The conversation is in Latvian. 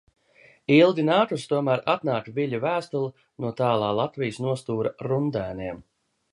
Ilgi nākusi, tomēr atnāk Viļa vēstule no tālā Latvijas nostūra Rundēniem.